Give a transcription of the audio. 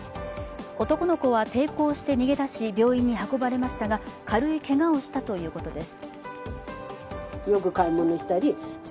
男の子は抵抗して逃げ出し、病院に運ばれましたが、軽いけがをしたということです。